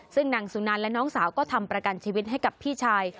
ซึ่งนางสุนันและน้องสาวก็ทำประกันชีวิตให้กับพี่ชาย